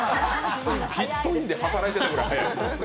ピットインで働いてたぐらい早い。